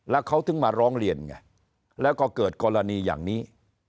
แล้วเขาถึงมาร้องเรียนไงแล้วก็เกิดกรณีอย่างนี้